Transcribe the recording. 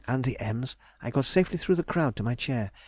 and the M.'s I got safely through the crowd to my chair.